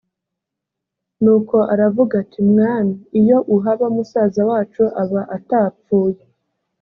nuko aravuga ati “mwami iyo uhaba musaza wacu aba atapfuye”